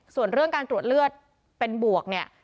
ส่วนเรื่องการตรวจเลือดเป็นบวกเนี่ย